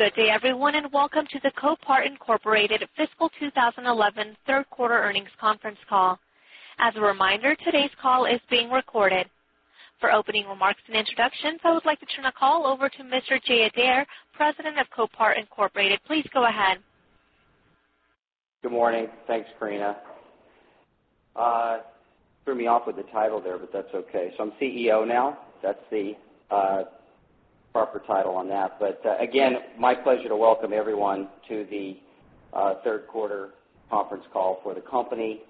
Good day, everyone, and welcome to the Copart Incorporated Fiscal 2011 Third Quarter Earnings Conference Call. As a reminder, today's call is being recorded. For opening remarks and introductions, I would like to turn the call over to Mr. Jay Adair, President of Copart Incorporated. Please go ahead. Good morning. Thanks, Karina. You threw me off with the title there, but that's okay. I'm CEO now. That's the proper title on that. Again, my pleasure to welcome everyone to the Third Quarter Conference call for the company.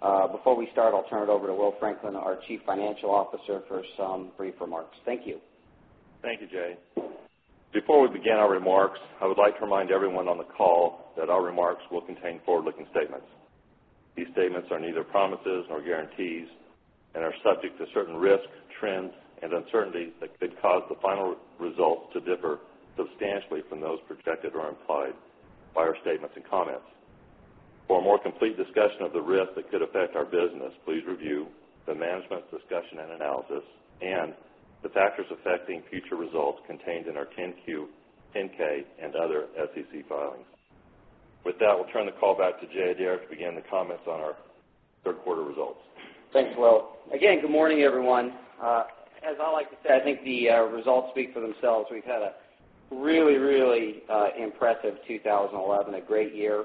Before we start, I'll turn it over to Will Franklin, our Chief Financial Officer, for some brief remarks. Thank you. Thank you, Jay. Before we begin our remarks, I would like to remind everyone on the call that our remarks will contain forward-looking statements. These statements are neither promises nor guarantees and are subject to certain risks, trends, and uncertainties that could cause the final result to differ substantially from those projected or implied by our statements and comments. For a more complete discussion of the risk that could affect our business, please review the management discussion and analysis and the factors affecting future results contained in our 10-Q, 10-K, and o ther SEC filings. With that, we'll turn the call back to Jay Adair to begin the comments on our Third Quarter results. Thanks, Will. Again, good morning, everyone. As I like to say, I think the results speak for themselves. We've had a really, really impressive 2011, a great year.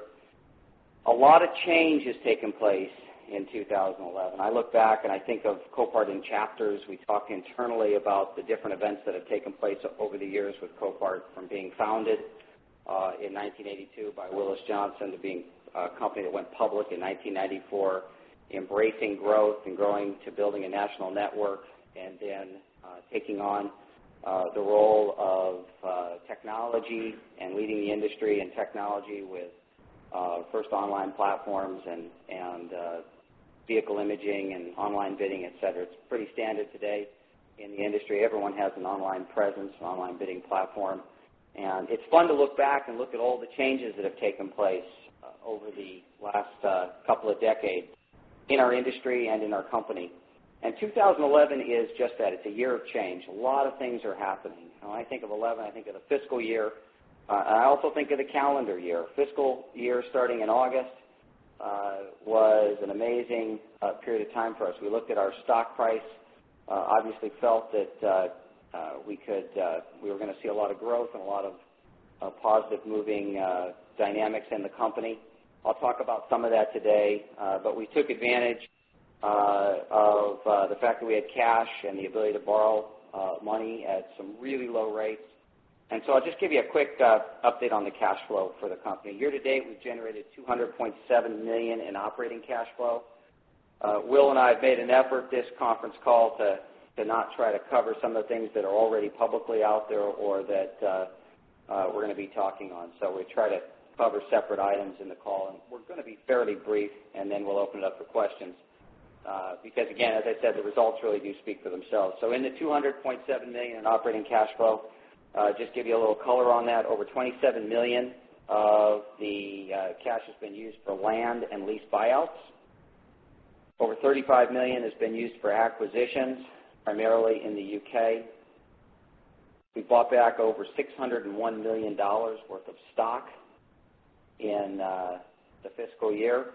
A lot of change has taken place in 2011. I look back and I think of Copart in chapters. We talked internally about the different events that have taken place over the years with Copart from being founded in 1982 by Willis Johnson to being a company that went public in 1994, embracing growth and growing to building a national network, then taking on the role of technology and leading the industry in technology with first online platforms and vehicle imaging and online bidding, etc. It's pretty standard today in the industry. Everyone has an online presence, an online bidding platform. It's fun to look back and look at all the changes that have taken place over the last couple of decades in our industry and in our company. 2011 is just that. It's a year of change. A lot of things are happening. When I think of 2011, I think of the fiscal year. I also think of the calendar year. Fiscal year starting in August was an amazing period of time for us. We looked at our stock price, obviously felt that we were going to see a lot of growth and a lot of positive moving dynamics in the company. I'll talk about some of that today. We took advantage of the fact that we had cash and the ability to borrow money at some really low rates. I'll just give you a quick update on the cash flow for the company. Year to date, we've generated $200.7 million in operating cash flow. Will and I have made an effort this conference call to not try to cover some of the things that are already publicly out there or that we're going to be talking on. We try to cover separate items in the call. We're going to be fairly brief, and then we'll open it up for questions. As I said, the results really do speak for themselves. In the $200.7 million in operating cash flow, just to give you a little color on that, over $27 million of the cash has been used for land and lease buyouts. Over $35 million has been used for acquisitions, primarily in the U.K. We bought back over $601 million worth of stock in the fiscal year.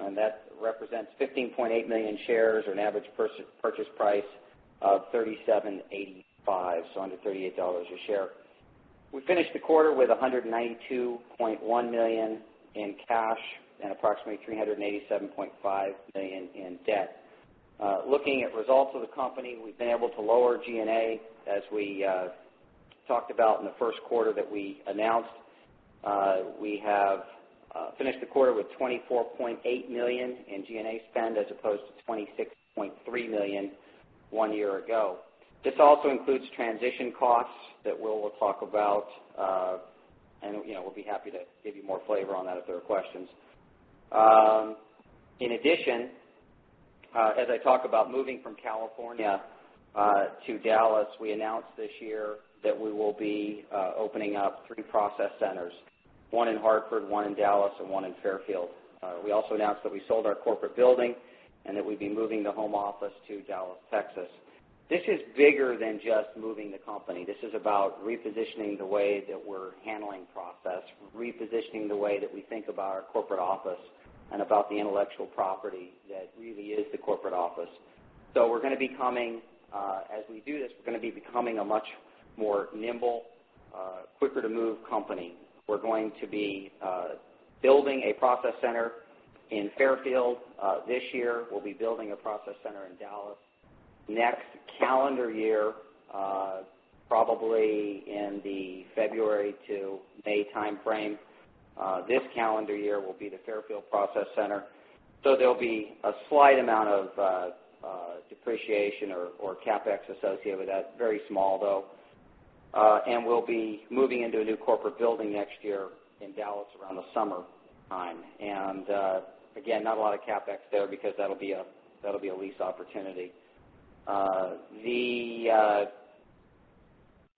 That represents 15.8 million shares or an average purchase price of $37.85, so under $38 a share. We finished the quarter with $192.1 million in cash and approximately $387.5 million in debt. Looking at results of the company, we've been able to lower G&A as we talked about in the first quarter that we announced. We have finished the quarter with $24.8 million in G&A spend as opposed to $26.3 million one year ago. This also includes transition costs that Will will talk about. We will be happy to give you more flavor on that if there are questions. In addition, as I talk about moving from California to Dallas, we announced this year that we will be opening up three process centers, one in Hartford, one in Dallas, and one in Fairfield. We also announced that we sold our corporate building and that we'd be moving the home office to Dallas, Texas. This is bigger than just moving the company. This is about repositioning the way that we're handling process, repositioning the way that we think about our corporate office and about the intellectual property that really is the corporate office. We're going to be coming, as we do this, we're going to be becoming a much more nimble, quicker-to-move company. We're going to be building a process center in Fairfield this year. We'll be building a process center in Dallas. Next calendar year, probably in the February to May timeframe, this calendar year will be the Fairfield process center. There'll be a slight amount of depreciation or CapEx associated with that, very small though. We'll be moving into a new corporate building next year in Dallas around the summertime. Not a lot of CapEx there because that'll be a lease opportunity.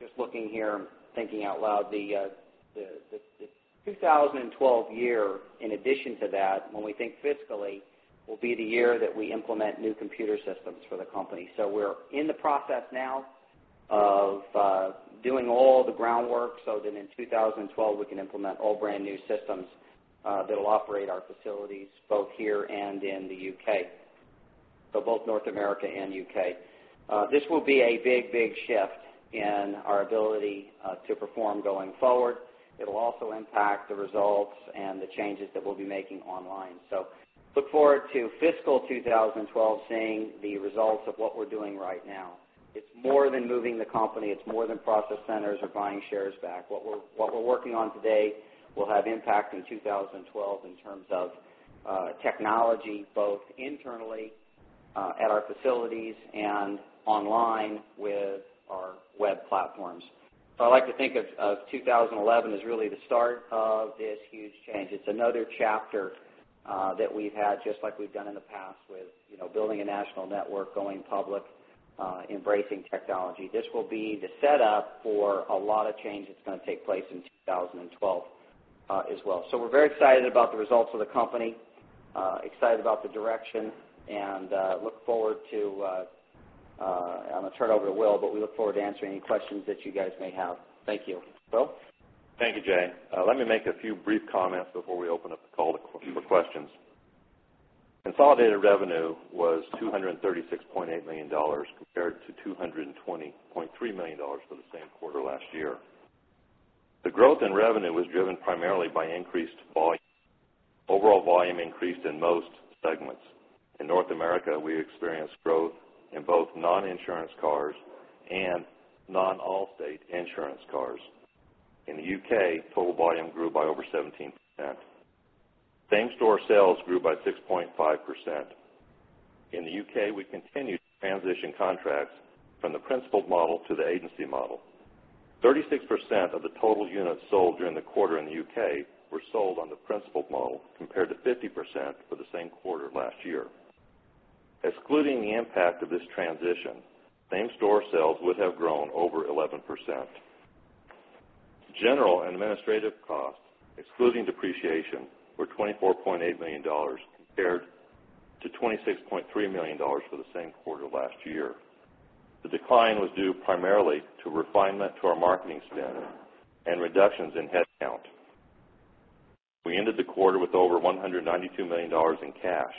Just looking here and thinking out loud, the 2012 year, in addition to that, when we think fiscally, will be the year that we implement new computer systems for the company. We're in the process now of doing all the groundwork so that in 2012, we can implement all brand new systems that'll operate our facilities both here and in the U.K., so both North America and U.K. This will be a big, big shift in our ability to perform going forward. It'll also impact the results and the changes that we'll be making online. Look forward to fiscal 2012 seeing the results of what we're doing right now. It's more than moving the company. It's more than process centers or buying shares back. What we're working on today will have impact in 2012 in terms of technology, both internally at our facilities and online with our web platforms. I like to think of 2011 as really the start of this huge change. It's another chapter that we've had, just like we've done in the past with building a national network, going public, embracing technology. This will be the setup for a lot of change that's going to take place in 2012 as well. We're very excited about the results of the company, excited about the direction, and look forward to answering any questions that you guys may have. Thank you. Will? Thank you, Jay. Let me make a few brief comments before we open up the call to questions. Consolidated revenue was $236.8 million compared to $220.3 million for the same quarter last year. The growth in revenue was driven primarily by increased volume. Overall volume increased in most segments. In North America, we experienced growth in both non-insurance cars and non-Allstate insurance cars. In the U.K., total volume grew by over 17%. Same-store sales grew by 6.5%. In the U.K., we continued to transition contracts from the principal model to the agency model. 36% of the total units sold during the quarter in the U.K. were sold on the principal model compared to 50% for the same quarter last year. Excluding the impact of this transition, same-store sales would have grown over 11%. General and administrative costs, excluding depreciation, were $24.8 million compared to $26.3 million for the same quarter last year. The decline was due primarily to refinement to our marketing spend and reductions in headcount. We ended the quarter with over $192 million in cash.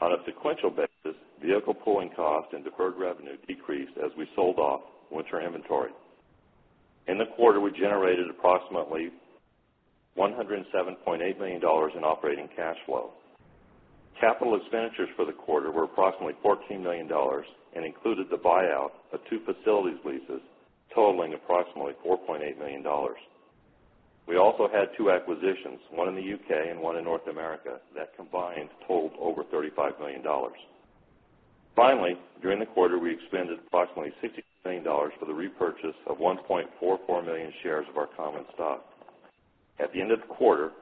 On a sequential basis, vehicle pulling cost and deferred revenue decreased as we sold off winter inventory. In the quarter, we generated approximately $107.8 million in operating cash flow. Capital expenditures for the quarter were approximately $14 million and included the buyout of two facilities leases totaling approximately $4.8 million. We also had two acquisitions, one in the U.K. and one in North America, that combined totaled over $35 million. Finally, during the quarter, we expended approximately $60 million for the repurchase of 1.44 million shares of our common stock. At the end of the quarter,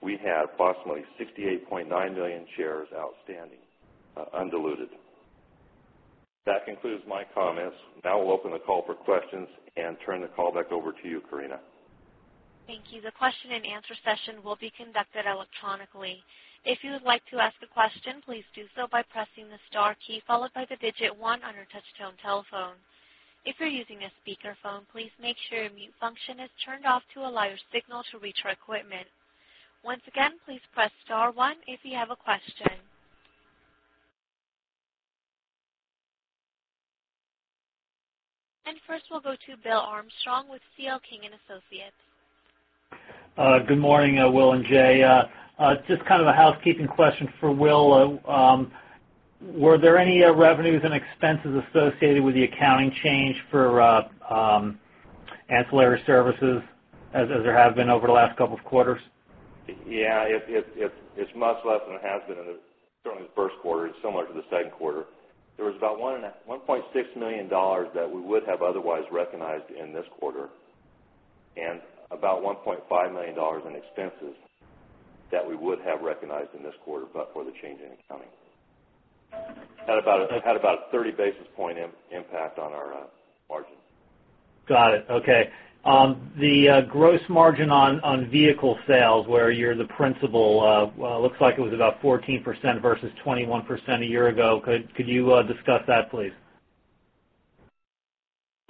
we had approximately 68.9 million shares outstanding, undiluted. That concludes my comments. Now we'll open the call for questions and turn the call back over to you, Karina. Thank you. The question and answer session will be conducted electronically. If you would like to ask a question, please do so by pressing the star key followed by the digit one on your touch-tone telephone. If you're using a speakerphone, please make sure your mute function is turned off to allow your signal to reach our equipment. Once again, please press star words if you have a question. First, we'll go to Bill Armstrong with C.L. King and Associates. Good morning, Will and Jay. Just kind of a housekeeping question for Will. Were there any revenues and expenses associated with the accounting change for ancillary services as there have been over the last couple of quarters? Yeah, it's much less than it has been during the first quarter and similar to the second quarter. There was about $1.6 million that we would have otherwise recognized in this quarter and about $1.5 million in expenses that we would have recognized in this quarter, but for the change in accounting. It had about a 30 basis points impact on our margin. Got it. Okay. The gross margin on vehicle sales where you're the principal looks like it was about 14% versus 21% a year ago. Could you discuss that, please?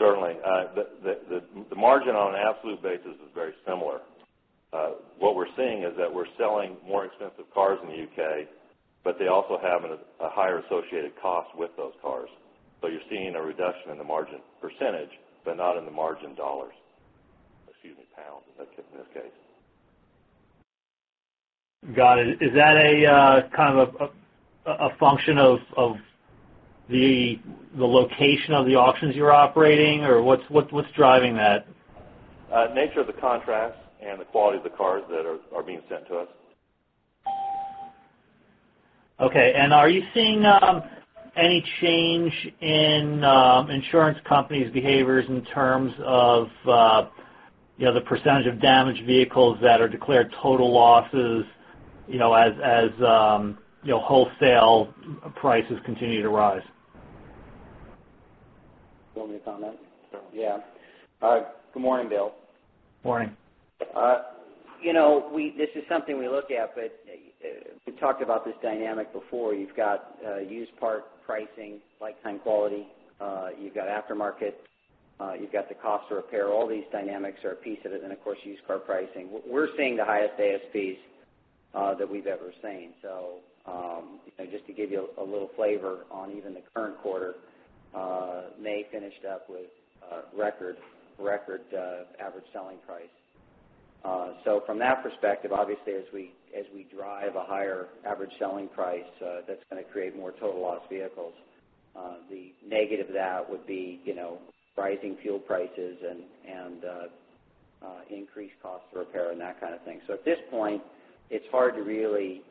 Certainly. The margin on an absolute basis is very similar. What we're seeing is that we're selling more expensive cars in the U.K., but they also have a higher associated cost with those cars. You're seeing a reduction in the margin %, but not in the margin dollars. Excuse me, pounds in this case. Got it. Is that a kind of a function of the location of the auctions you're operating, or what's driving that? Nature of the contracts and the quality of the cars that are being sent to us. Are you seeing any change in insurance companies' behaviors in terms of the % of damaged vehicles that are declared total losses as wholesale prices continue to rise? Will, may I comment? Certainly. Yeah, good morning, Bill. Morning. This is something we look at, but we talked about this dynamic before. You've got used part pricing, lifetime quality, you've got aftermarket, you've got the cost to repair. All these dynamics are a piece of it. Of course, used car pricing. We're seeing the highest base fees that we've ever seen. Just to give you a little flavor on even the current quarter, May finished up with record average selling price. From that perspective, obviously, as we drive a higher average selling price, that's going to create more total loss vehicles. The negative of that would be rising fuel prices and increased costs to repair and that kind of thing. At this point, it's hard to really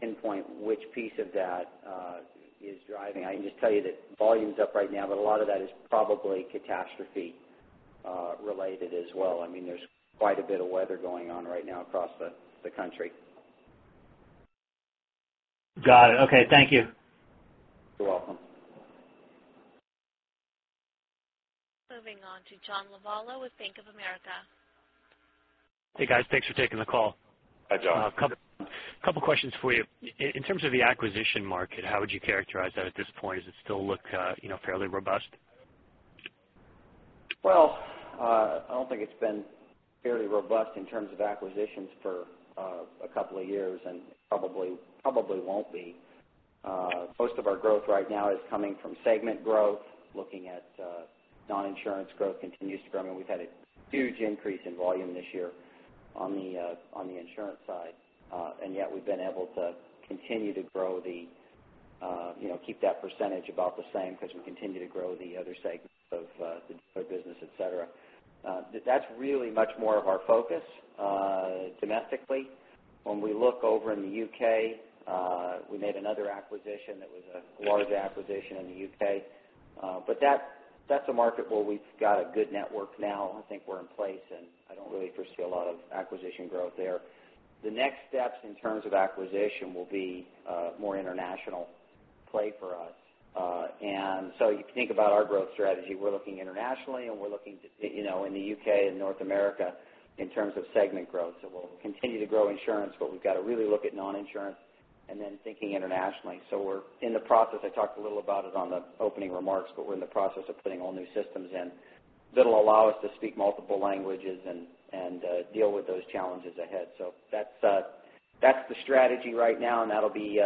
pinpoint which piece of that is driving. I can just tell you that volume's up right now, but a lot of that is probably catastrophe-related as well. There's quite a bit of weather going on right now across the country. Got it. Okay, thank you. Moving on to John Lovallo with Bank of America. Hey, guys. Thanks for taking the call. Hi, John. A couple of questions for you. In terms of the acquisition market, how would you characterize that at this point? Does it still look fairly robust? I don't think it's been fairly robust in terms of acquisitions for a couple of years and probably won't be. Most of our growth right now is coming from segment growth. Looking at non-insurance growth continues to grow. We've had a huge increase in volume this year on the insurance side, yet we've been able to continue to grow, keep that percentage about the same because we continue to grow the other segments of the business, etc. That's really much more of our focus domestically. When we look over in the U.K., we made another acquisition that was a large acquisition in the U.K. That's a market where we've got a good network now. I don't think we're in place, and I don't really foresee a lot of acquisition growth there. The next steps in terms of acquisition will be more international play for us. You can think about our growth strategy. We're looking internationally, and we're looking in the U.K. and North America in terms of segment growth. We'll continue to grow insurance, but we've got to really look at non-insurance and then thinking internationally. We're in the process. I talked a little about it in the opening remarks, but we're in the process of putting all new systems in that'll allow us to speak multiple languages and deal with those challenges ahead. That's the strategy right now, and that'll be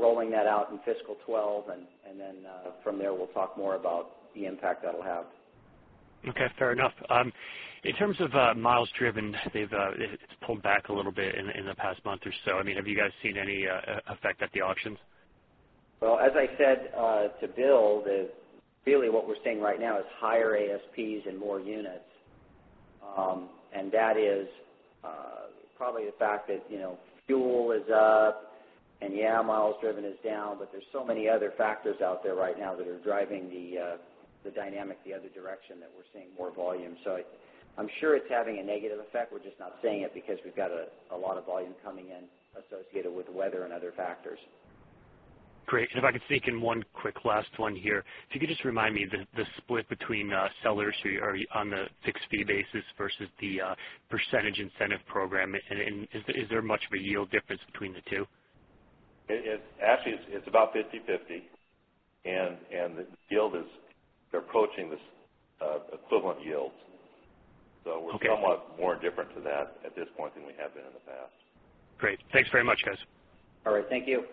rolling that out in fiscal 2012. From there, we'll talk more about the impact that'll have. Okay. Fair enough. In terms of miles driven, it's pulled back a little bit in the past month or so. I mean, have you guys seen any effect at the auctions? As I said to Bill, really what we're seeing right now is higher ASPs and more units. That is probably the fact that fuel is up and, yeah, miles driven is down, but there are so many other factors out there right now that are driving the dynamic the other direction that we're seeing more volume. I'm sure it's having a negative effect. We're just not seeing it because we've got a lot of volume coming in associated with weather and other factors. Great. If I could sneak in one quick last one here, could you just remind me the split between sellers who are on the fixed fee basis versus the percentage incentive program, and is there much of a yield difference between the two? Actually, it's about 50/50. The yield is approaching the equivalent yields, so we're somewhat more indifferent to that at this point than we have been in the past. Great. Thanks very much, guys. All right. Thank you.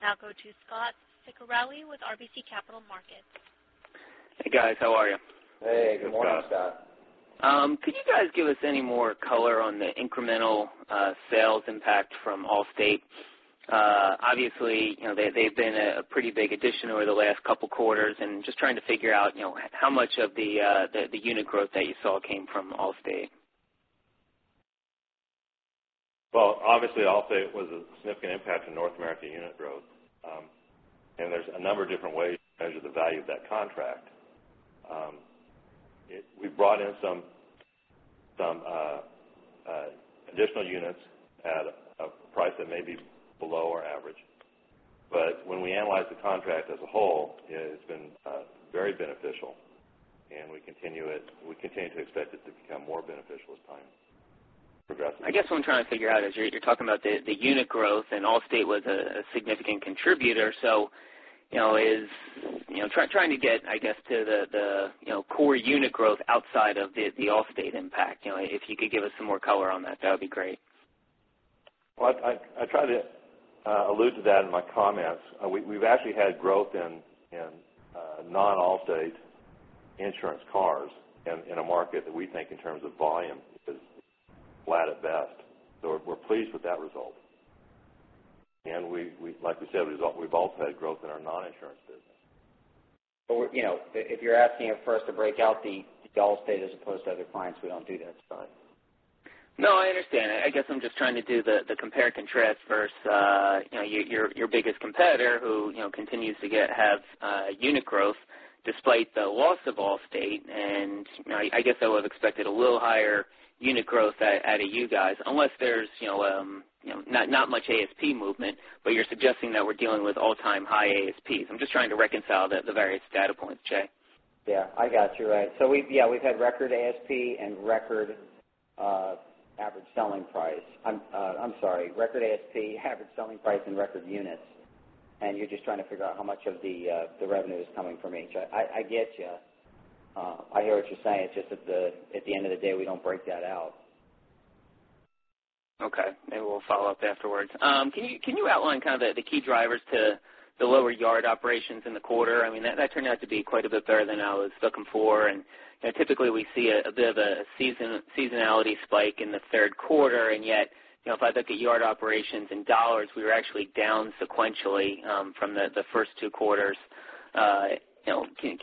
Now go to Scot Ciccarelli with RBC Capital Markets. Hey, guys. How are you? Hey, good morning, Scot. Hey. Could you guys give us any more color on the incremental sales impact from Allstate? Obviously, they've been a pretty big addition over the last couple of quarters. I'm just trying to figure out how much of the unit growth that you saw came from Allstate? Allstate was a significant impact in North America unit growth. There are a number of different ways to measure the value of that contract. We brought in some additional units at a price that may be below our average, but when we analyze the contract as a whole, it's been very beneficial. We continue to expect it to become more beneficial as time progresses. I guess what I'm trying to figure out is you're talking about the unit growth, and Allstate was a significant contributor. I'm trying to get, I guess, to the core unit growth outside of the Allstate impact. If you could give us some more color on that, that would be great. I tried to allude to that in my comments. We've actually had growth in non-Allstate insurance cars in a market that we think, in terms of volume, is flat at best. We're pleased with that result, and like we said, we've also had growth in our non-insurance business. If you're asking it first to break out the Allstate as opposed to other clients, we don' t do that, Scot`. No, I understand. I guess I'm just trying to do the compare and contrast versus your biggest competitor who continues to have unit growth despite the loss of Allstate. I guess I would have expected a little higher unit growth out of you guys unless there's not much ASP movement. You're suggesting that we're dealing with all-time high ASP. I'm just trying to reconcile the various data points, Jay. Yeah, I got you right. We've had record ASP, average selling price, and record units. You're just trying to figure out how much of the revenue is coming from each. I get you. I hear what you're saying. It's just that at the end of the day, we don't break that out. Okay. Maybe we'll follow up afterwards. Can you outline kind of the key drivers to lower yard operations in the quarter? That turned out to be quite a bit better than I was looking for. Typically, we see a bit of a seasonality spike in the third quarter. Yet, if I look at yard operations in dollars, we were actually down sequentially from the first two quarters. Can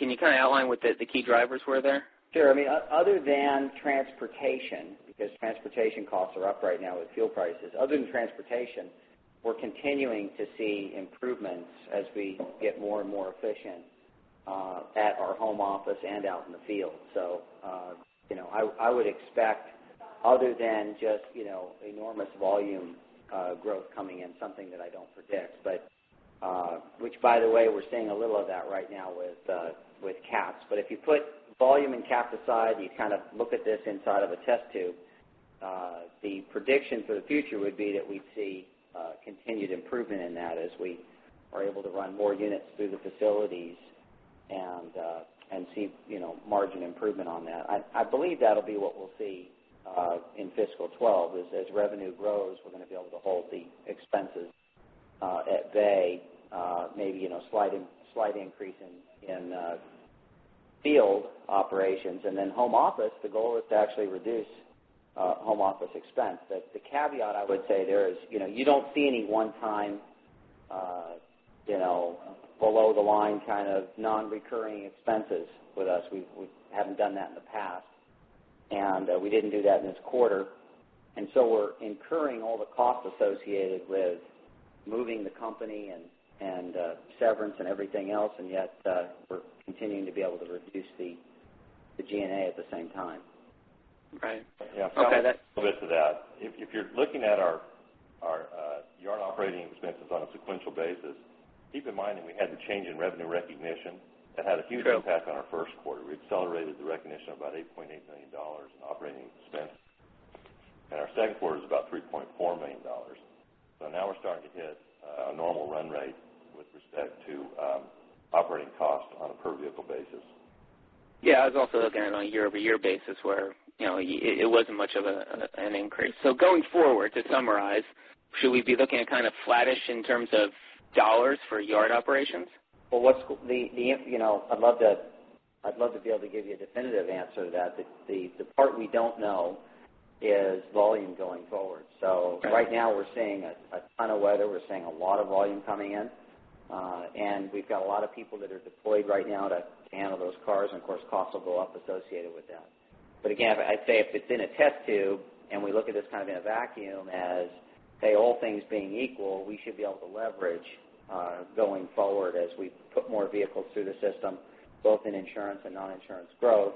you kind of outline what the key drivers were there? Sure. Other than transportation, because transportation costs are up right now with fuel prices, other than transportation, we're continuing to see improvements as we get more and more efficient at our home office and out in the field. I would expect, other than just enormous volume growth coming in, something that I don't predict, which, by the way, we're seeing a little of that right now with caps. If you put volume and caps aside, you kind of look at this inside of a test tube, the prediction for the future would be that we'd see continued improvement in that as we are able to run more units through the facilities and see margin improvement on that. I believe that'll be what we'll see in fiscal 2012. As revenue grows, we're going to be able to hold the expenses at bay, maybe a slight increase in field operations. The goal for home office is to actually reduce home office expense. The caveat I would say there is you don't see any one-time, below-the-line kind of non-recurring expenses with us. We haven't done that in the past. We didn't do that in this quarter. We're incurring all the costs associated with moving the company and severance and everything else, and yet we're continuing to be able to reduce the G&A at the same time. Okay. Yeah. I'll add a little bit to that. If you're looking at our yard operating expenses on a sequential basis, keep in mind that we had the change in revenue recognition that had a huge impact on our first quarter. We accelerated the recognition of about $8.8 million in operating expense, and our second quarter is about $3.4 million. Now we're starting to hit a normal run rate with respect to operating costs on a per-vehicle basis. Yeah. I was also looking at it on a year-over-year basis where it wasn't much of an increase. Going forward, to summarize, should we be looking at kind of flattish in terms of dollars for yard operations? What's the. I'd love to be able to give you a definitive answer to that. The part we don't know is volume going forward. Right now, we're seeing a ton of weather. We're seeing a lot of volume coming in, and we've got a lot of people that are deployed right now to handle those cars. Of course, costs will go up associated with that. Again, I'd say if it's in a test tube and we look at this kind of in a vacuum as, hey, all things being equal, we should be able to leverage going forward as we put more vehicles through the system, both in insurance and non-insurance growth.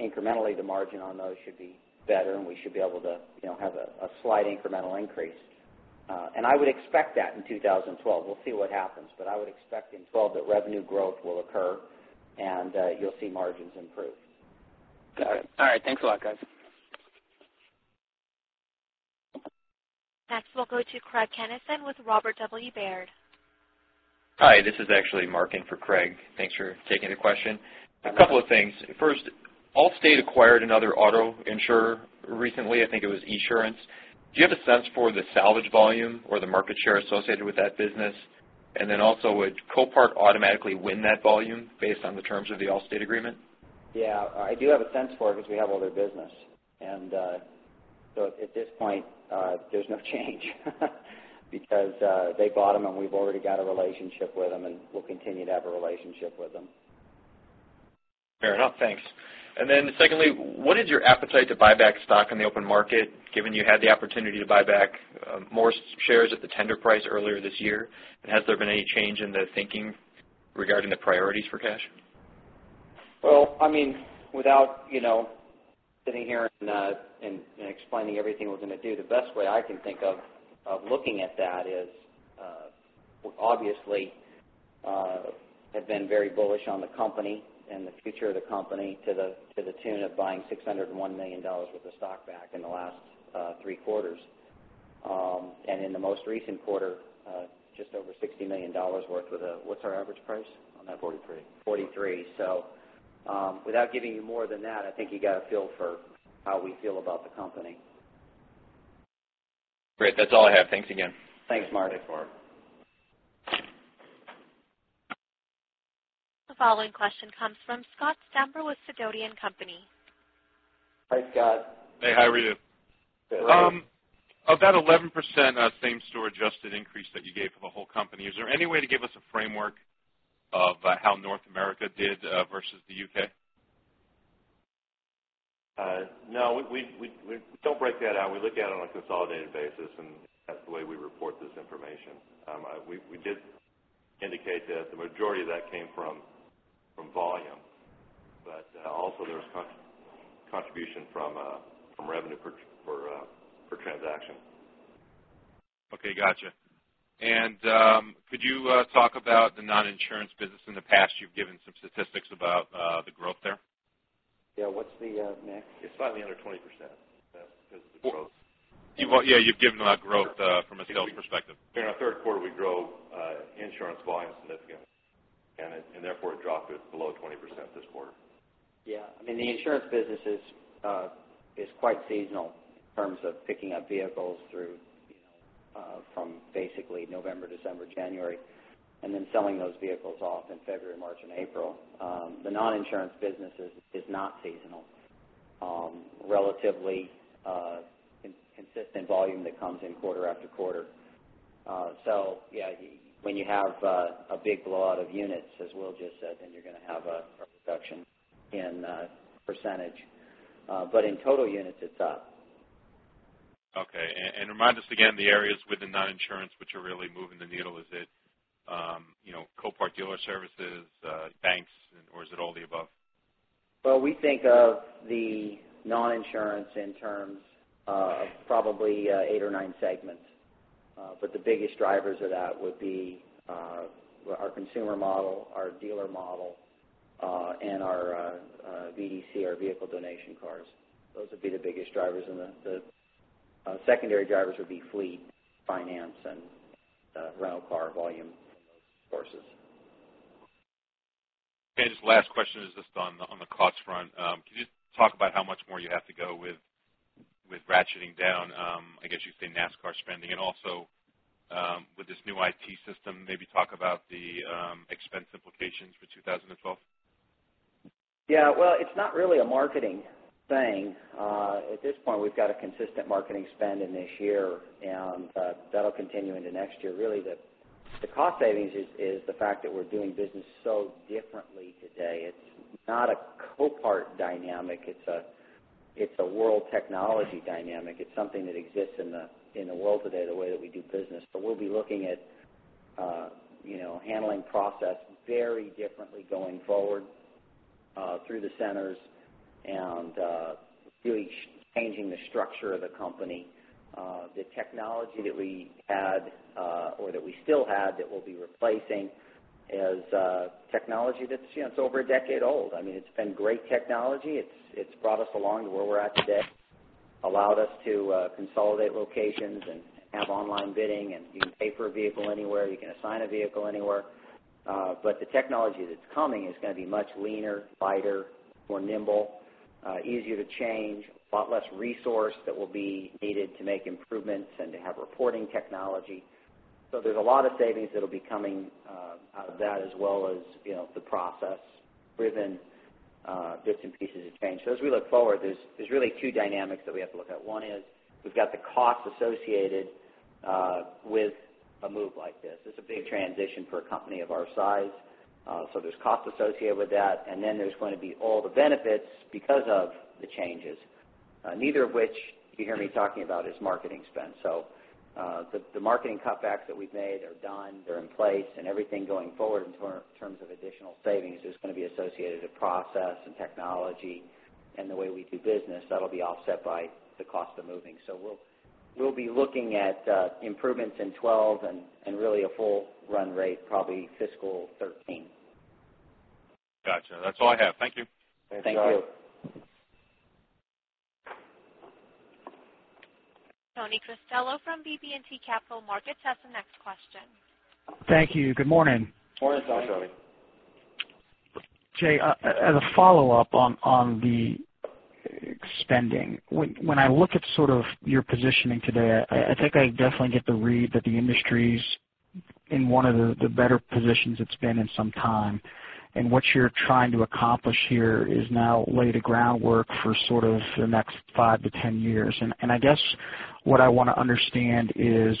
Incrementally, the margin on those should be better, and we should be able to have a slight incremental increase. I would expect that in 2012. We'll see what happens. I would expect in 2012 that revenue growth will occur, and you'll see margins improve. Got it. All right. Thanks a lot, guys. Next, we'll go to Craig Kennison with Robert W. Baird. Hi. This is actually Marking for Craig. Thanks for taking the question. A couple of things. First, Allstate acquired another auto insurer recently. I think it was Esurance. Do you have a sense for the salvage volume or the market share associated with that business? Also, would Copart automatically win that volume based on the terms of the Allstate agreement? Yeah, I do have a sense for it because we have all their business. At this point, there's no change because they bought them, and we've already got a relationship with them, and we'll continue to have a relationship with them. Fair enough. Thanks. What is your appetite to buy back stock in the open market given you had the opportunity to buy back more shares at the tender price earlier this year? Has there been any change in the thinking regarding the priorities for cash? I mean, without sitting here and explaining everything we're going to do, the best way I can think of looking at that is, we obviously have been very bullish on the company and the future of the company to the tune of buying $601 million worth of stock back in the last three quarters. In the most recent quarter, just over $60 million worth of the what's our average price on that? 43. I think you got a feel for how we feel about the company. Great. That's all I have. Thanks again. Thanks, Mark. The following question comes from [Scott Stamber] with Sidoti & Company. Hi, Scott. Hey, how are you? Good. About 11% same-store adjusted increase that you gave for the whole company. Is there any way to give us a framework of how North America did versus the U.K.? No. We don't break that out. We look at it on a consolidated basis, and that's the way we report this information. We did indicate that the majority of that came from volume, but also there was contribution from revenue per transaction. Gotcha. Could you talk about the non-insurance business? In the past, you've given some statistics about the growth there. Yeah, what's the max? It's slightly under 20% because of the growth you want. Yeah, you've given a lot of growth from a sales perspective. In our third quarter, we grew insurance volume significantly, and therefore, it dropped below 20% this quarter. Yeah. I mean, the insurance business is quite seasonal in terms of picking up vehicles through, you know, from basically November, December, January, and then selling those vehicles off in February, March, and April. The non-insurance business is not seasonal. Relatively consistent volume that comes in quarter after quarter. When you have a big blowout of units, as Will just said, you're going to have a reduction in %. In total units, it's up. Okay. Remind us again the areas within non-insurance which are really moving the needle. Is it Copart dealer services, banks, or is it all the above? We think of the non-insurance in terms of probably eight or nine segments. The biggest drivers of that would be our consumer model, our dealer model, and our VDC, our vehicle donation cars. Those would be the biggest drivers. The secondary drivers would be fleet, finance, and rental car volume sources. Just the last question is on the cost front. Could you talk about how much more you have to go with ratcheting down, I guess you'd say, net car spending? Also, with this new IT system, maybe talk about the expense implications for 2012? Yeah. It's not really a marketing thing. At this point, we've got a consistent marketing spend in this year, and that'll continue into next year. Really, the cost savings is the fact that we're doing business so differently today. It's not a Copart dynamic. It's a world technology dynamic. It's something that exists in the world today, the way that we do business. We'll be looking at handling process very differently going forward through the centers and really changing the structure of the company. The technology that we had or that we still had that we'll be replacing is technology that's over a decade old. I mean, it's been great technology. It's brought us along to where we're at today, allowed us to consolidate locations and have online bidding. You can pay for a vehicle anywhere. You can assign a vehicle anywhere. The technology that's coming is going to be much leaner, lighter, more nimble, easier to change, a lot less resource that will be needed to make improvements and to have reporting technology. There's a lot of savings that'll be coming out of that as well as the process-driven bits and pieces of change. As we look forward, there's really two dynamics that we have to look at. One is we've got the costs associated with a move like this. It's a big transition for a company of our size. There's costs associated with that. There's going to be all the benefits because of the changes, neither of which you hear me talking about is marketing spend. The marketing cutbacks that we've made are done. They're in place. Everything going forward in terms of additional savings is going to be associated with process and technology and the way we do business. That'll be offset by the cost of moving. We'll be looking at improvements in 2012 and really a full run rate, probably fiscal 2013. Gotcha. That's all I have. Thank you. Thanks, guys. Thanks, all right. Tony Cristello from BB&T Capital Markets has the next question. Thank you. Good morning. Morning. How's it going? Jay, as a follow-up on the spending, when I look at sort of your positioning today, I think I definitely get the read that the industry's in one of the better positions it's been in some time. What you're trying to accomplish here is now lay the groundwork for sort of the next 5-10 years. I guess what I want to understand is,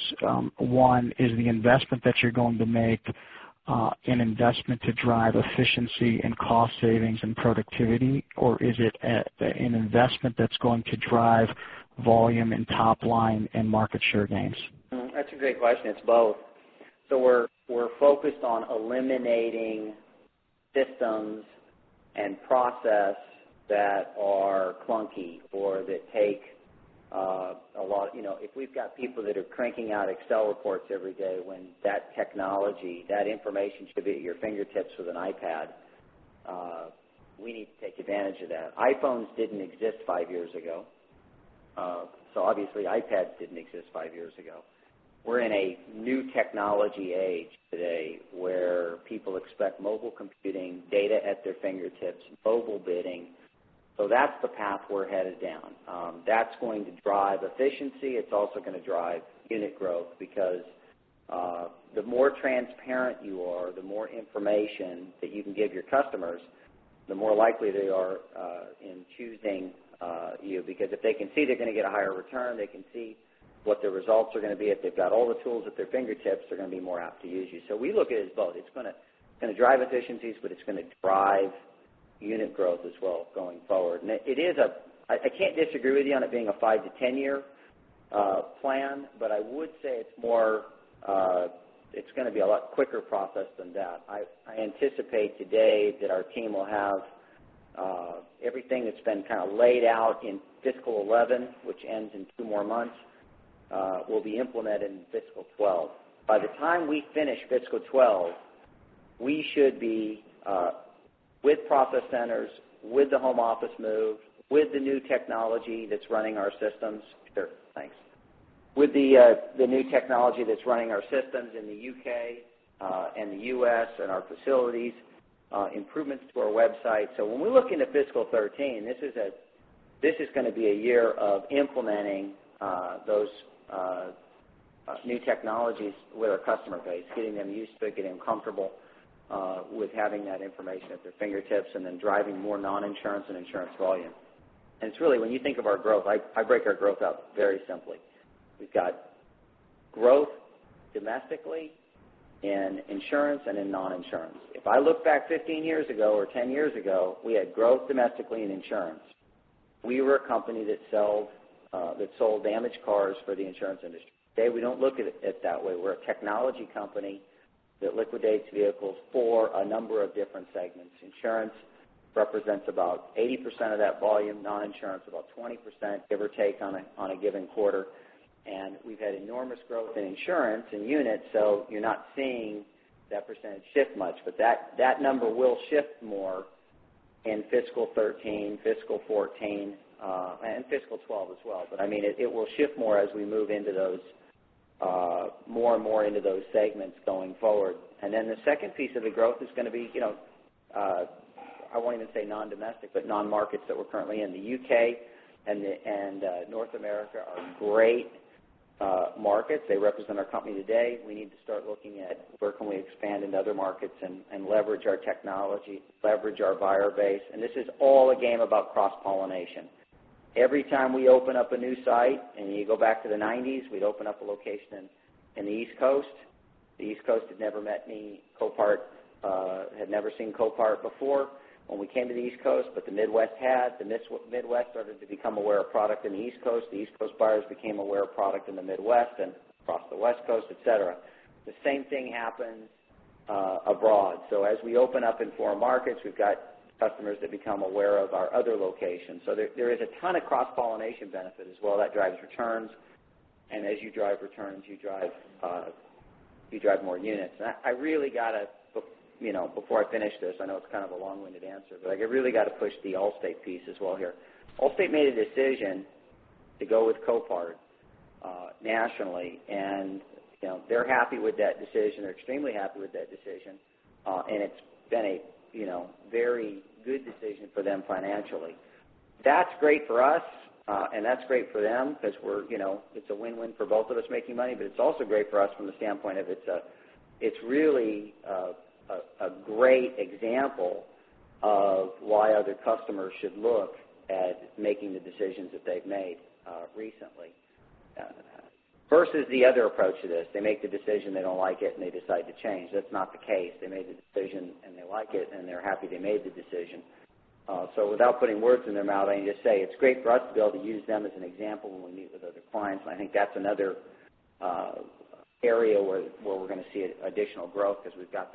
one, is the investment that you're going to make an investment to drive efficiency and cost savings and productivity, or is it an investment that's going to drive volume and top line and market share gains? That's a great question. It's both. We're focused on eliminating systems and processes that are clunky or that take a lot of, you know, if we've got people that are cranking out Excel reports every day, when that technology, that information should be at your fingertips with an iPad. We need to take advantage of that. iPhones didn't exist five years ago, so obviously, iPads didn't exist five years ago. We're in a new technology age today where people expect mobile computing, data at their fingertips, mobile bidding. That's the path we're headed down. That's going to drive efficiency. It's also going to drive unit growth because the more transparent you are, the more information that you can give your customers, the more likely they are in choosing you. Because if they can see they're going to get a higher return, they can see what their results are going to be. If they've got all the tools at their fingertips, they're going to be more apt to use you. We look at it as both. It's going to drive efficiencies, but it's going to drive unit growth as well going forward. I can't disagree with you on it being a 5 to 10-year plan, but I would say it's more, it's going to be a lot quicker process than that. I anticipate today that our team will have everything that's been kind of laid out in fiscal 2011, which ends in two more months, will be implemented in fiscal 2012. By the time we finish fiscal 2012, we should be, with process centers, with the home office move, with the new technology that's running our systems. Sure. Thanks. With the new technology that's running our systems in the U.K. and the U.S. and our facilities, improvements to our website. When we look into fiscal 2013, this is going to be a year of implementing those new technologies with our customer base, getting them used to it, getting them comfortable with having that information at their fingertips, and then driving more non-insurance and insurance volume. When you think of our growth, I break our growth up very simply. We've got growth domestically in insurance and in non-insurance. If I look back 15 years ago or 10 years ago, we had growth domestically in insurance. We were a company that sold damaged cars for the insurance industry. Today, we don't look at it that way. We're a technology company that liquidates vehicles for a number of different segments. Insurance represents about 80% of that volume, non-insurance about 20%, give or take, on a given quarter. We've had enormous growth in insurance and units, so you're not seeing that percentage shift much. That number will shift more in fiscal 2013, fiscal 2014, and fiscal 2012 as well. I mean, it will shift more as we move more and more into those segments going forward. The second piece of the growth is going to be, you know, I won't even say non-domestic, but non-markets that we're currently in. The U.K. and North America are great markets. They represent our company today. We need to start looking at where we can expand in other markets and leverage our technology, leverage our buyer base. This is all a game about cross-pollination. Every time we open up a new site, and you go back to the 1990s, we'd open up a location in the East Coast. The East Coast had never met any Copart, had never seen Copart before when we came to the East Coast, but the Midwest had. The Midwest started to become aware of product in the East Coast. The East Coast buyers became aware of product in the Midwest and across the West Coast, etc. The same thing happened abroad. As we open up in foreign markets, we've got customers that become aware of our other locations. There is a ton of cross-pollination benefit as well. That drives returns, and as you drive returns, you drive more units. I really got to, before I finish this, I know it's kind of a long-winded answer, but I really got to push the Allstate piece as well here. Allstate made a decision to go with Copart nationally. They are happy with that decision. They are extremely happy with that decision. It has been a very good decision for them financially. That is great for us and that is great for them because it is a win-win for both of us making money. It is also great for us from the standpoint of it is really a great example of why other customers should look at making the decisions that they have made recently versus the other approach to this. They make the decision, they do not like it, and they decide to change. That is not the case. They made the decision and they like it, and they are happy they made the decision. Without putting words in their mouth, I can just say it is great for us to be able to use them as an example when we meet with other clients. I think that is another area where we are going to see additional growth because we have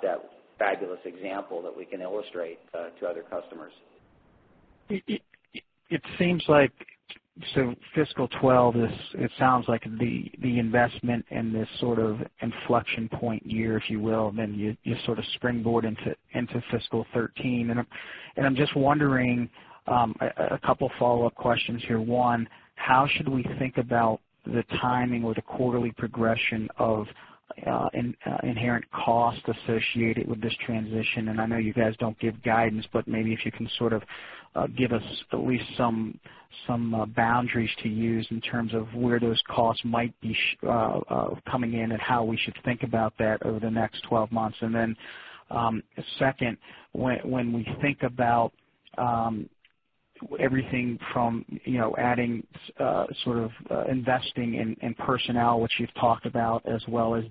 that fabulous example that we can illustrate to other customers. It seems like fiscal 2012, it sounds like the investment is this sort of inflection point year, if you will, and then you sort of springboard into fiscal 2013. I'm just wondering a couple of follow-up questions here. One, how should we think about the timing or the quarterly progression of inherent costs associated with this transition? I know you guys don't give guidance, but maybe if you can sort of give us at least some boundaries to use in terms of where those costs might be coming in and how we should think about that over the next 12 months. Second, when we think about everything from adding, sort of investing in personnel, which you've talked about, as well as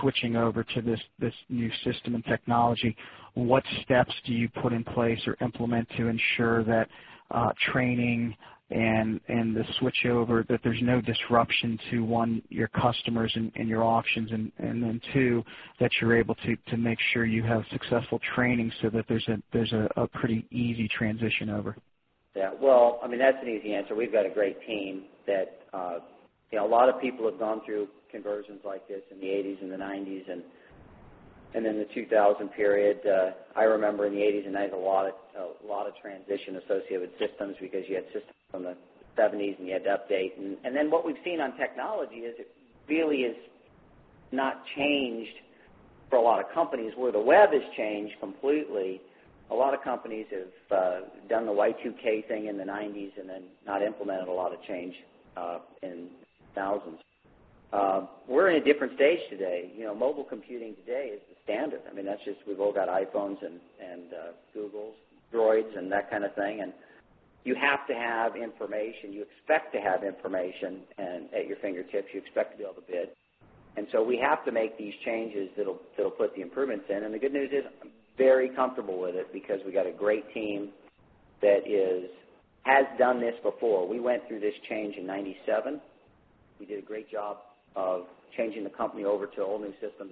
switching over to this new system and technology, what steps do you put in place or implement to ensure that training and the switchover, that there's no disruption to, one, your customers and your auctions, and two, that you're able to make sure you have successful training so that there's a pretty easy transition over? Yeah. That's an easy answer. We've got a great team that, you know, a lot of people have gone through conversions like this in the 1980s and the 1990s. In the 2000 period, I remember in the 1980s, I had a lot of transition associated with systems because you had systems from the 1970s and you had to update. What we've seen on technology is it really has not changed for a lot of companies. Where the web has changed completely, a lot of companies have done the Y2K thing in the 1990s and then not implemented a lot of change in the 2000s. We're in a different stage today. Mobile computing today is the standard. I mean, we've all got iPhones and Googles, Androids, and that kind of thing. You have to have information. You expect to have information at your fingertips. You expect to be able to bid. We have to make these changes that'll put the improvements in. The good news is I'm very comfortable with it because we got a great team that has done this before. We went through this change in 1997. We did a great job of changing the company over to an all-new system.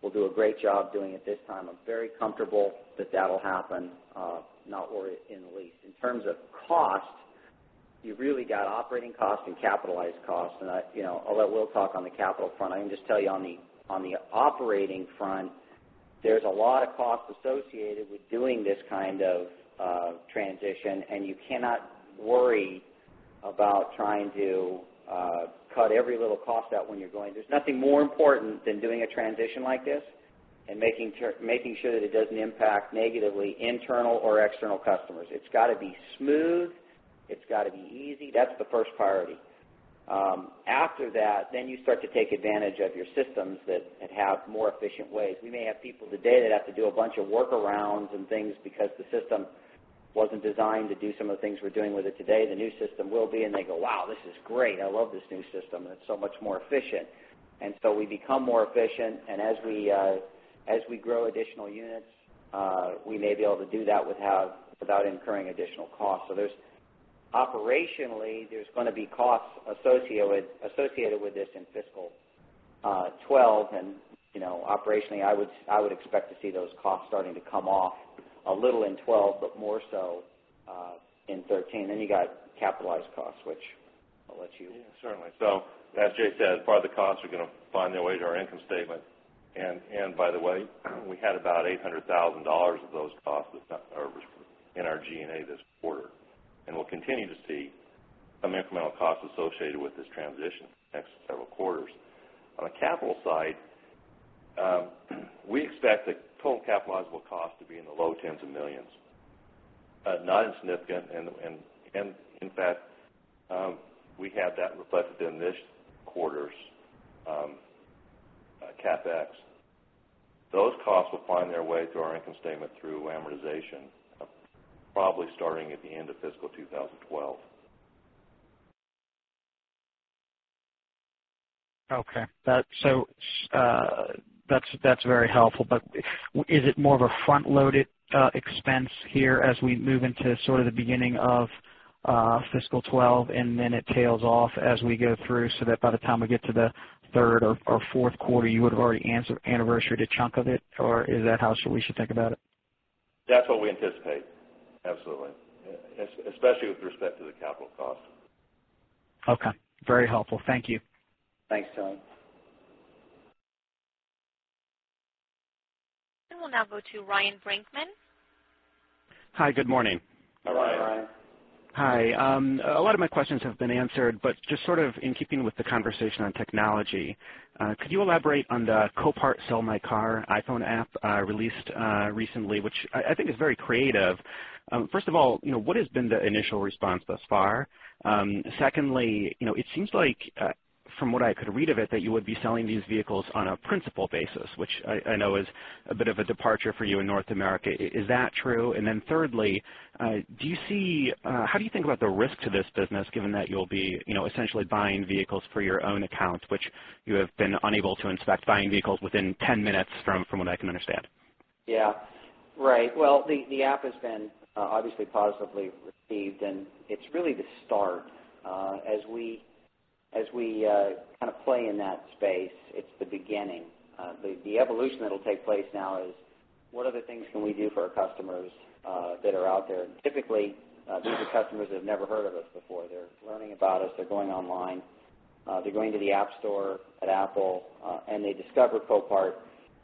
We'll do a great job doing it this time. I'm very comfortable that that'll happen. Not worried in the least. In terms of cost, you've really got operating costs and capitalized costs. I'll let Will talk on the capital front. I can just tell you on the operating front, there's a lot of costs associated with doing this kind of transition. You cannot worry about trying to cut every little cost out when you're going. There's nothing more important than doing a transition like this and making sure that it doesn't impact negatively internal or external customers. It's got to be smooth. It's got to be easy. That's the first priority. After that, you start to take advantage of your systems that have more efficient ways. We may have people today that have to do a bunch of workarounds and things because the system wasn't designed to do some of the things we're doing with it today. The new system will be, and they go, "Wow, this is great. I love this new system. It's so much more efficient." We become more efficient. As we grow additional units, we may be able to do that without incurring additional costs. Operationally, there's going to be costs associated with this in fiscal 2012. Operationally, I would expect to see those costs starting to come off a little in 2012, but more so in 2013. Then you got capitalized costs, which I'll let you. Certainly. As Jay said, part of the costs are going to find their way to our income statement. By the way, we had about $800,000 of those costs in our G&A this quarter. We'll continue to see some incremental costs associated with this transition next several quarters. On the capital side, we expect the total capitalizable cost to be in the low tens of millions, not insignificant. In fact, we have that reflected in this quarter's CapEx. Those costs will find their way through our income statement through amortization, probably starting at the end of fiscal 2012. Okay, that's very helpful. Is it more of a front-loaded expense here as we move into the beginning of fiscal 2012, and then it tails off as we go through, so that by the time we get to the third or fourth quarter, you would have already anniversaryed a chunk of it? Is that how we should think about it? That's what we anticipate. Absolutely, especially with respect to the capital costs. Okay. Very helpful. Thank you. Thanks, Tony. We will now go to Ryan Brinkman. Hi, good morning. Hi, Ryan. Hi. Hi. A lot of my questions have been answered, but just sort of in keeping with the conversation on technology, could you elaborate on the Copart Sell My Car iPhone app released recently, which I think is very creative? First of all, you know, what has been the initial response thus far? Secondly, you know, it seems like, from what I could read of it, that you would be selling these vehicles on a principal basis, which I know is a bit of a departure for you in North America. Is that true? Thirdly, how do you think about the risk to this business given that you'll be, you know, essentially buying vehicles for your own account, which you have been unable to inspect, buying vehicles within 10 minutes from what I can understand? Yeah. Right. The app has been obviously positively received, and it's really the start. As we kind of play in that space, it's the beginning. The evolution that'll take place now is what other things can we do for our customers that are out there? Typically, these are customers that have never heard of us before. They're learning about us. They're going online. They're going to the App Store at Apple, and they discover Copart.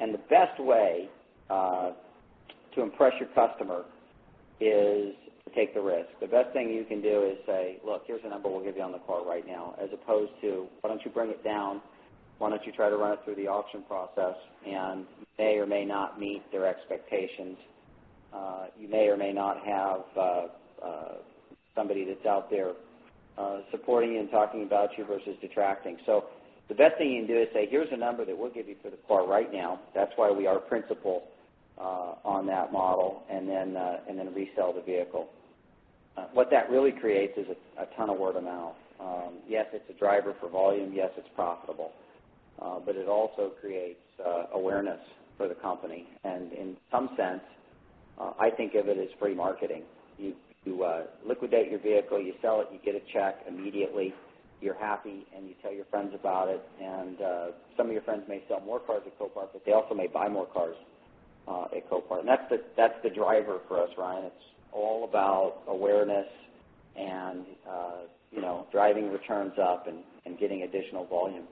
The best way to impress your customer is to take the risk. The best thing you can do is say, "Look, here's a number we'll give you on the call right now," as opposed to, "Why don't you bring it down? Why don't you try to run it through the auction process?" It may or may not meet their expectations. You may or may not have somebody that's out there supporting you and talking about you versus detracting. The best thing you can do is say, "Here's a number that we'll give you for the car right now." That's why we are principal on that model and then resell the vehicle. What that really creates is a ton of word of mouth. Yes, it's a driver for volume. Yes, it's profitable. It also creates awareness for the company. In some sense, I think of it as free marketing. You liquidate your vehicle, you sell it, you get a check immediately, you're happy, and you tell your friends about it. Some of your friends may sell more cars at Copart, but they also may buy more cars at Copart. That's the driver for us, Ryan. It's all about awareness and driving returns up and getting additional volume.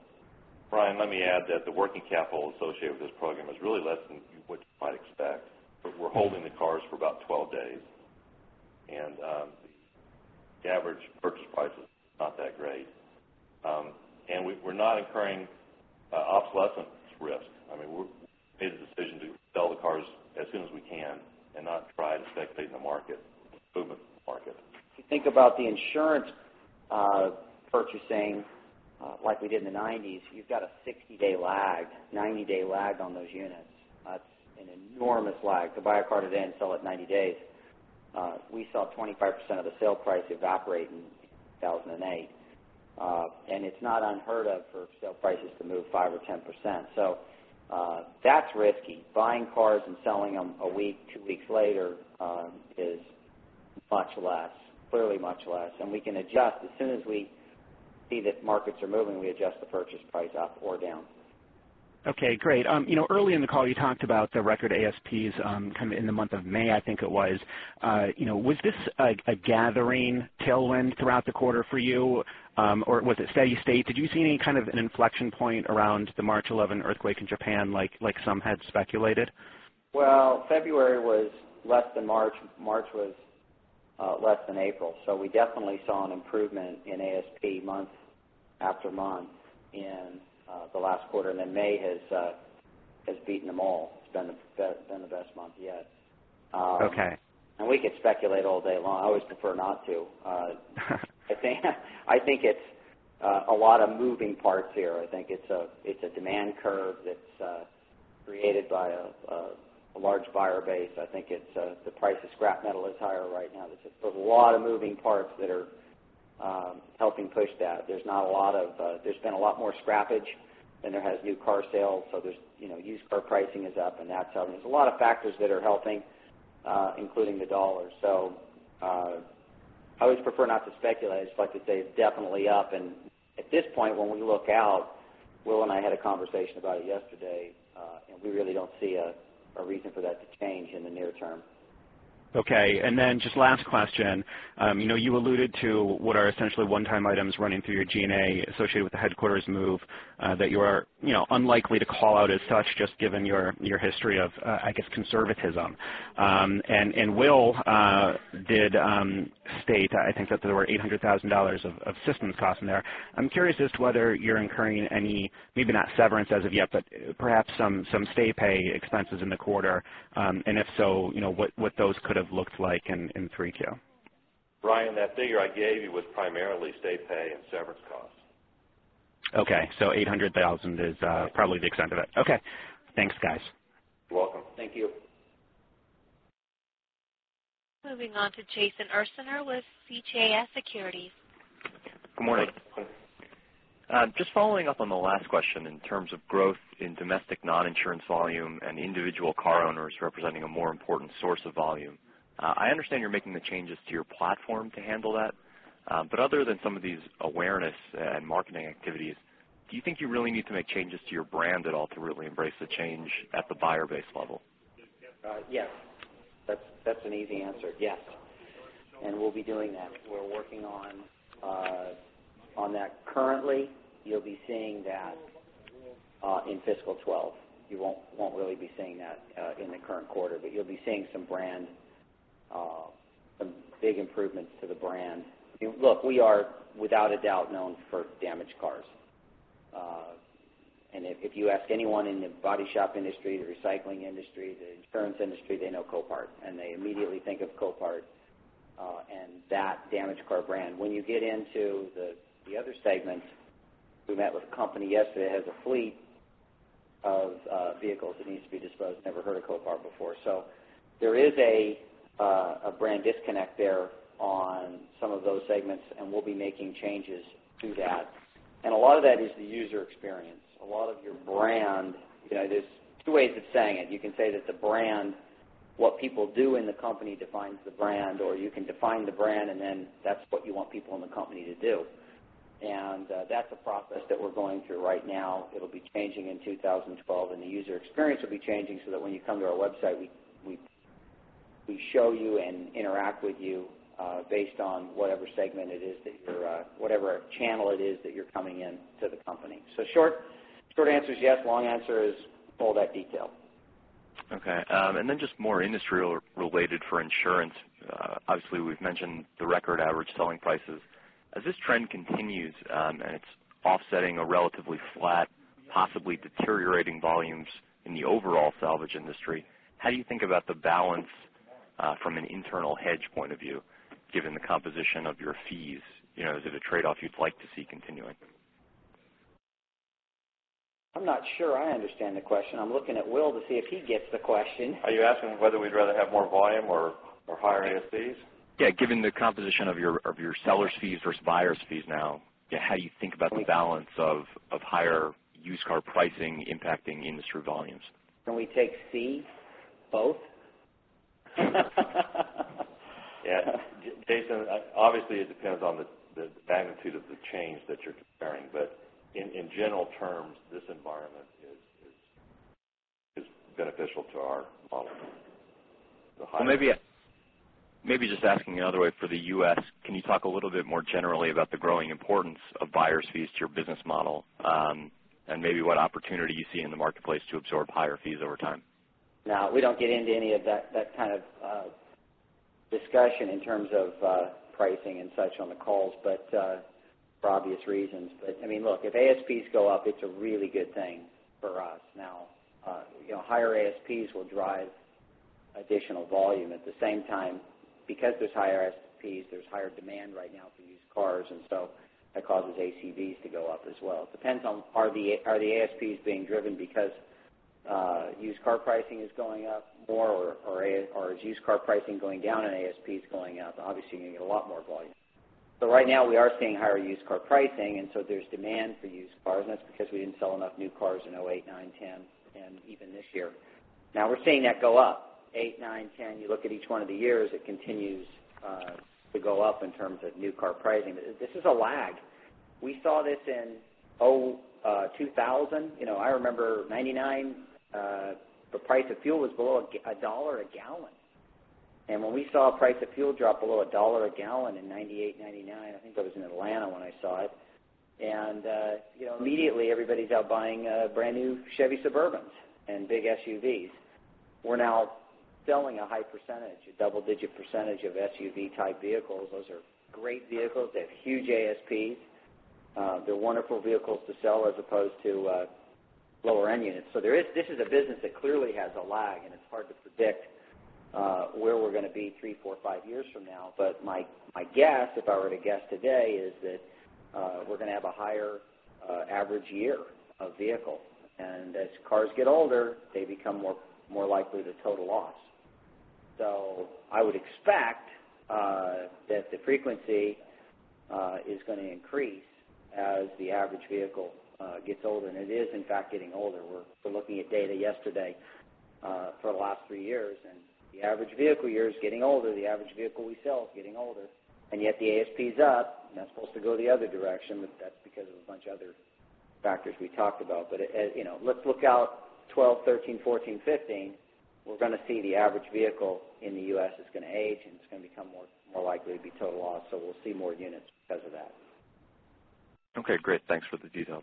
Ryan, let me add that the working capital associated with this program is really less than what you might expect. We're holding the cars for about 12 days, and the average purchase price is not that great. We're not incurring obsolescence risk. We made a decision to sell the cars as soon as we can and not try to speculate in the movement of the market. If you think about the insurance purchasing like we did in the 1990s, you've got a 60-day lag, 90-day lag on those units. That's an enormous lag to buy a car today and sell it 90 days later. We saw 25% of the sale price evaporate in 2008. It's not unheard of for sale prices to move 5% or 10%. That's risky. Buying cars and selling them a week or two weeks later is much less, clearly much less. We can adjust as soon as we see that markets are moving, we adjust the purchase price up or down. Okay. Great. You know, early in the call, you talked about the record ASPs kind of in the month of May, I think it was. Was this a gathering tailwind throughout the quarter for you or was it steady state? Did you see any kind of an inflection point around the March 11 earthquake in Japan like some had speculated? February was less than March. March was less than April. We definitely saw an improvement in ASP month after month in the last quarter, and May has beaten them all. It's been the best month yet. We could speculate all day long. I always prefer not to. I think it's a lot of moving parts here. I think it's a demand curve that's created by a large buyer base. I think the price of scrap metal is higher right now. There are a lot of moving parts that are helping push that. There's not a lot of, there's been a lot more scrappage than there have been new car sales. Used car pricing is up, and that's how there's a lot of factors that are helping, including the dollar. I always prefer not to speculate. I just like to say it's definitely up. At this point, when we look out, Will and I had a conversation about it yesterday, and we really don't see a reason for that to change in the near term. Okay. Just last question. You alluded to what are essentially one-time items running through your G&A associated with the headquarters move that you are unlikely to call out as such, just given your history of, I guess, conservatism. Will did state, I think, that there were $800,000 of systems costs in there. I'm curious whether you're incurring any, maybe not severance as of yet, but perhaps some stay pay expenses in the quarter. If so, you know what those could have looked like in Q3. Ryan, that figure I gave you was primarily stay pay and severance costs. Okay. $800,000 is probably the extent of it. Okay. Thanks, guys. You're welcome. Thank you. Moving on to Jason Ursaner with CJS Securities. Good morning. Just following up on the last question in terms of growth in domestic non-insurance volume and individual car owners representing a more important source of volume. I understand you're making the changes to your platform to handle that. Other than some of these awareness and marketing activities, do you think you really need to make changes to your brand at all to really embrace the change at the buyer base level? Yeah. That's an easy answer. Yes. We'll be doing that. We're working on that currently. You'll be seeing that in fiscal 2012. You won't really be seeing that in the current quarter, but you'll be seeing some brand, some big improvements to the brand. Look, we are, without a doubt, known for damaged cars. If you ask anyone in the body shop industry, the recycling industry, the insurance industry, they know Copart. They immediately think of Copart and that damaged car brand. When you get into the other segments, we met with a company yesterday that has a fleet of vehicles that needs to be disposed. Never heard of Copart before. There is a brand disconnect there on some of those segments, and we'll be making changes to that. A lot of that is the user experience. A lot of your brand, you know, there are two ways of saying it. You can say that the brand, what people do in the company defines the brand, or you can define the brand and then that's what you want people in the company to do. That's a process that we're going through right now. It'll be changing in 2012, and the user experience will be changing so that when you come to our website, we show you and interact with you based on whatever segment it is that you're, whatever channel it is that you're coming into the company. Short answer is yes. Long answer is all that detail. Okay. Just more industrial-related for insurance. Obviously, we've mentioned the record average selling prices. As this trend continues and it's offsetting a relatively flat, possibly deteriorating volumes in the overall salvage industry, how do you think about the balance from an internal hedge point of view, given the composition of your fees? Is it a trade-off you'd like to see continuing? I'm not sure I understand the question. I'm looking at Will to see if he gets the question. Are you asking whether we'd rather have more volume or higher ASPs? Given the composition of your seller's fees versus buyer's fees now, how do you think about the balance of higher used car pricing impacting industry volumes? Can we take C, both? Yeah, Jason, obviously it depends on the magnitude of the change that you're comparing, but in general terms, this environment is beneficial to our model. Can you talk a little bit more generally about the growing importance of buyer's fees to your business model and maybe what opportunity you see in the marketplace to absorb higher fees over time? Now, we don't get into any of that kind of discussion in terms of pricing and such on the calls, for obvious reasons. I mean, look, if ASPs go up, it's a really good thing for us. Higher ASPs will drive additional volume. At the same time, because there's higher ASPs, there's higher demand right now for used cars, and that causes ACVs to go up as well. It depends on whether the ASPs are being driven because used car pricing is going up more or is used car pricing going down and ASPs going up. Obviously, you're going to get a lot more volume. Right now, we are seeing higher used car pricing, and so there's demand for used cars. That's because we didn't sell enough new cars in 2008, 2009, 2010, and even this year. Now, we're seeing that go up. In 2008, 2009, 2010, you look at each one of the years, it continues to go up in terms of new car pricing. This is a lag. We saw this in 2000. I remember in 1999, the price of fuel was below $1 a gallon. When we saw the price of fuel drop below $1 a gallon in 1998, 1999, I think that was in Atlanta when I saw it. Immediately, everybody's out buying brand new Chevy Suburbans and big SUVs. We're now selling a high percentage, a double-digit percentage, of SUV-type vehicles. Those are great vehicles. They have huge ASPs. They're wonderful vehicles to sell as opposed to lower-end units. This is a business that clearly has a lag, and it's hard to predict where we're going to be three, four, five years from now. My guess, if I were to guess today, is that we're going to have a higher average year of vehicle. As cars get older, they become more likely to total loss. I would expect that the frequency is going to increase as the average vehicle gets older, and it is, in fact, getting older. We're looking at data yesterday for the last three years, and the average vehicle year is getting older. The average vehicle we sell is getting older, and yet the ASP is up. That's supposed to go the other direction, but that's because of a bunch of other factors we talked about. Let's look out to 2012, 2013, 2014, 2015. We're going to see the average vehicle in the U.S. is going to age, and it's going to become more likely to be total loss. We'll see more units because of that. Okay. Great. Thanks for the details.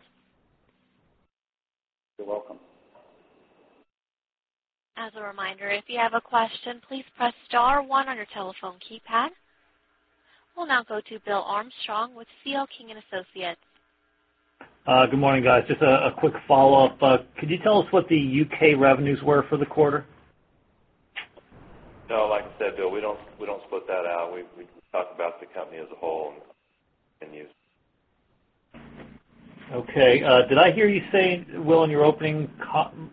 You're welcome. As a reminder, if you have a question, please press star one on your telephone keypad. We'll now go to Bill Armstrong with C.L. King and Associates. Good morning, guys. Just a quick follow-up. Could you tell us what the U.K. revenues were for the quarter? Like I said, Bill, we don't split that out. We talk about the company as a whole and use. Okay. Did I hear you say, Will, in your opening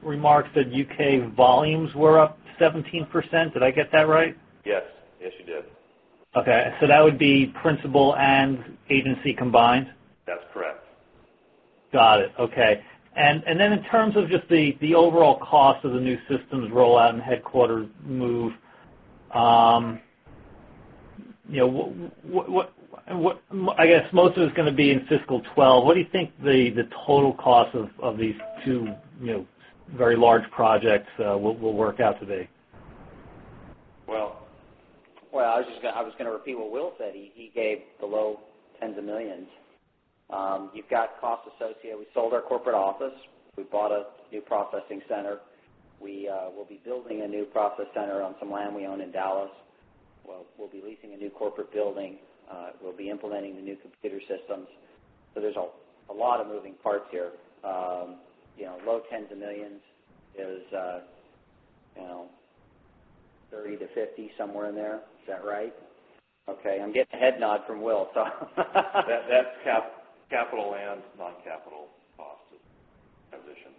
remarks that U.K. volumes were up 17%? Did I get that right? Yes, you did. Okay. That would be principal and agency combined? That's correct. Got it. Okay. In terms of just the overall cost of the new systems rollout and headquarters move, I guess most of it is going to be in fiscal 2012. What do you think the total cost of these two very large projects will work out to be? I was just going to repeat what Will said. He gave below tens of millions. You've got costs associated. We sold our corporate office. We bought a new process center. We will be building a new process center on some land we own in Dallas. We'll be leasing a new corporate building. We'll be implementing the new computer systems. There's a lot of moving parts here. You know, low tens of millions is $30 million to $50 million, somewhere in there. Is that right? Okay. I'm getting a head nod from Will, so. That's capital and non-capital costs position.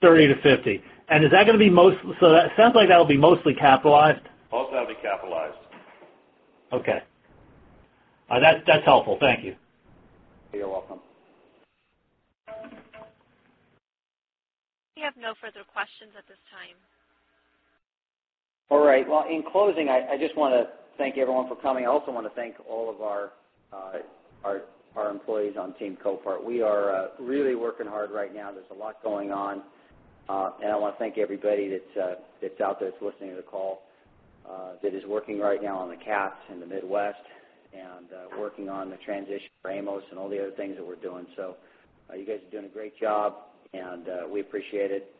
30 to 50. Is that going to be mostly capitalized? Most of that'll be capitalized. Okay. All right. That's helpful. Thank you. You're welcome. We have no further questions at this time. All right. In closing, I just want to thank everyone for coming. I also want to thank all of our employees on Team Copart. We are really working hard right now. There's a lot going on. I want to thank everybody that's out there that's listening to the call that is w`orking right now on the CAPs in the Midwest and working on the transition for AMOS and all the other things that we're doing. You guys are doing a great job, and we appreciate it.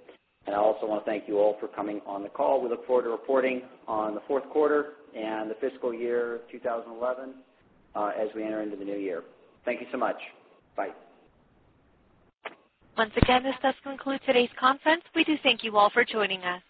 I also want to thank you all for coming on the call. We look forward to reporting on the fourth quarter and the fiscal year 2011 as we enter into the new year. Thank you so much. Bye. Once again, this does conclude today's conference. We do thank you all for joining us.